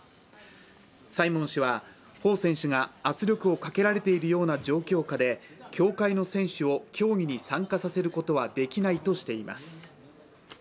サイモン氏は彭選手が圧力をかけられているような状況下で協会の選手を競技に参加させることはできないとしています。